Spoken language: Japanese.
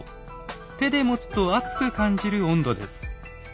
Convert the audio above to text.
手で持つと熱く感じる温度です。